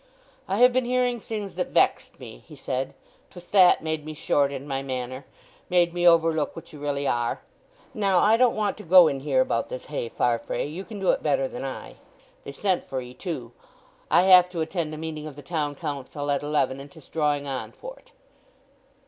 "I have been hearing things that vexed me," he said. "'Twas that made me short in my manner—made me overlook what you really are. Now, I don't want to go in here about this hay—Farfrae, you can do it better than I. They sent for 'ee, too. I have to attend a meeting of the Town Council at eleven, and 'tis drawing on for't."